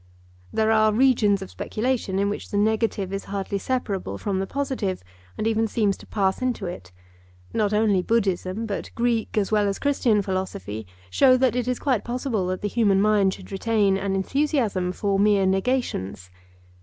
There are regions of speculation in which the negative is hardly separable from the positive, and even seems to pass into it. Not only Buddhism, but Greek as well as Christian philosophy, show that it is quite possible that the human mind should retain an enthusiasm for mere negations.